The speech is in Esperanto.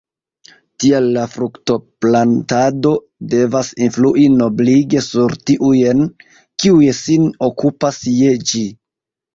Tial la fruktoplantado devas influi noblige sur tiujn, kiuj sin okupas je ĝi.